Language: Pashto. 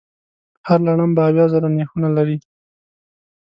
هر لړم به اویا زره نېښونه لري.